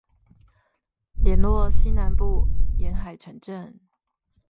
聯絡西南部沿海城鎮